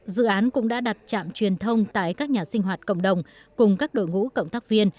dự án cũng đã đặt trạm truyền thông tại các nhà sinh hoạt cộng đồng cùng các đội ngũ cộng tác viên